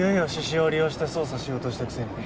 獅子雄を利用して捜査しようとしたくせに。